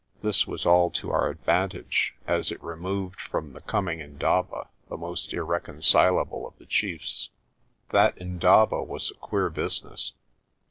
This was all to our advantage, as it removed from the coming indaba the most irreconcilable of the chiefs. That indaba was a queer business.